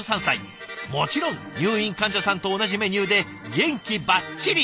もちろん入院患者さんと同じメニューで元気バッチリ！」